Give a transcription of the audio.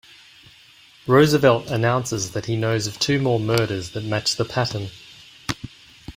Roosevelt announces that he knows of two more murders that match the pattern.